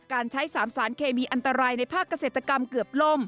การใช้๓สารเคมีอันตรายในภาคเกษตรกรรมเกือบล่ม